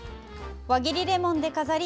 輪切りレモンで飾り